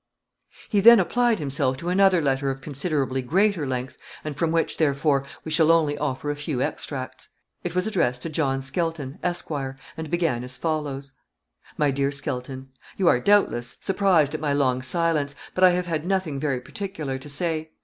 He then applied himself to another letter of considerably greater length, and from which, therefore, we shall only offer a few extracts. It was addressed to John Skelton, Esq., and began as follows. "My Dear Skelton, "You are, doubtless, surprised at my long silence, but I have had nothing very particular to say.